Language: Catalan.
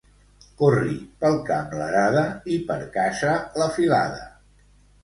Corri pel camp l'arada i per casa la filada.